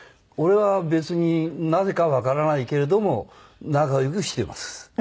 俺は別になぜかわからないけれども仲良くしてます。